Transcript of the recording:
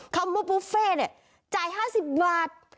คำว่าบุฟเฟ่เนี่ยจ่าย๕๐บาท